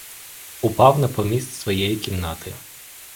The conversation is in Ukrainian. Упав на поміст своєї кімнати.